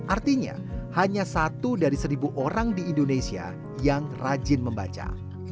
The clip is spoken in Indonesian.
artinya hanya satu dari seribu orang di indonesia yang rajin membaca